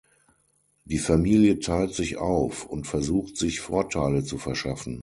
Die Familie teilt sich auf und versucht sich Vorteile zu verschaffen.